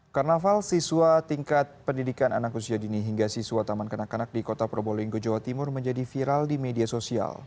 karnaval siswa tingkat pendidikan anak usia dini hingga siswa taman kanak kanak di kota probolinggo jawa timur menjadi viral di media sosial